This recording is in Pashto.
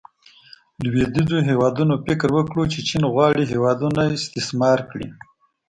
لویدیځو هیوادونو فکر وکړو چې چین غواړي هیوادونه استثمار کړي.